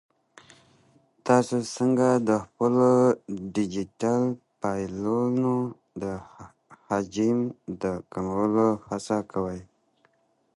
تاسو څنګه د خپلو ډیجیټل فایلونو د حجم د کمولو هڅه کوئ؟